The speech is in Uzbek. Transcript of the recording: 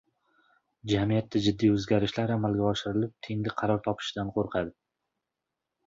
– jamiyatda jiddiy o‘zgarishlar amalga oshirilib tenglik qaror topishidan qo‘rqadi.